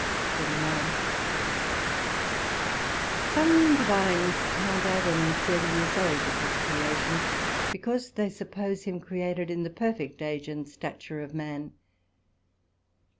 SECT.39 Some Divines count Adam 30 years old at his creation, because they suppose him created in the perfect age and stature of man.